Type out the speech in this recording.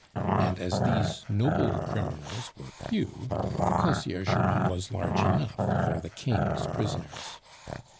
And as these noble criminals were few, the Conciergerie was large enough for the king's prisoners.